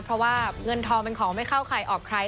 เพราะว่าเงินทองเป็นของไม่เข้าใครออกใคร